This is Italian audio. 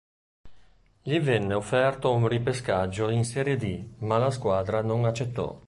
Gli venne offerto un ripescaggio in Serie D, ma la squadra non accettò.